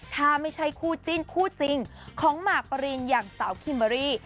ถ้าไม่ใช่คู่จิ้นคู่จริงของหมากปรินอย่างสาวคิมเบอรี่